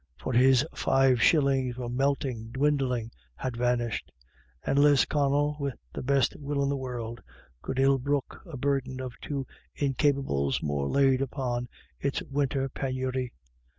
For his five shillings were melt J ing, dwindling — had vanished ; and Lisconnel, with the best will in the world, could ill brook a burden of two incapables more laid upon its winter penury.